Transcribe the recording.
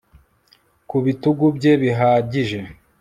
Ku bitugu bye bihagije